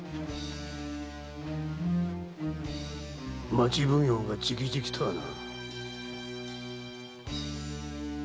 町奉行が直々とはな。